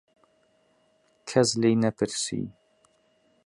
کەس لێی نەپرسی.